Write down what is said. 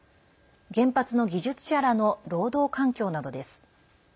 原発の技術者らの労働環境などです。